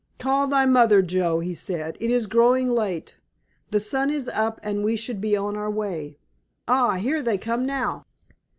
"Call thy mother, Joe," he said; "it is growing late, the sun is up, and we should be on our way. Ah, here they come now!"